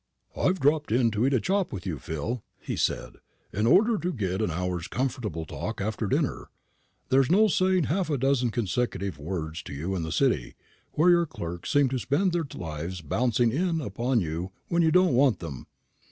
"I've dropped in to eat a chop with you, Phil," he said, "in order to get an hour's comfortable talk after dinner. There's no saying half a dozen consecutive words to you in the City, where your clerks seem to spend their lives in bouncing in upon you when you don't want them."